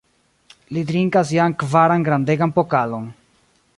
Li drinkas jam kvaran grandegan pokalon!